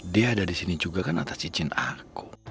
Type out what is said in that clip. dia ada disini juga kan atas cicin aku